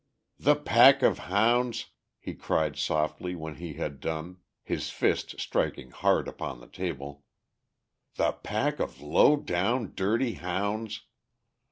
"The pack of hounds!" he cried softly when he had done, his fist striking hard upon his table. "The pack of low down, dirty hounds!"